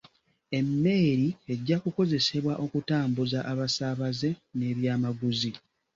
Emmeeri ejja kukozesebwa okutambuza abasaabaze n'ebyamaguzi.